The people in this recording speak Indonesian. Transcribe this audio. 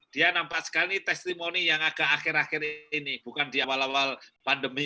dia nampak sekali testimoni yang agak akhir akhir ini bukan di awal awal pandemi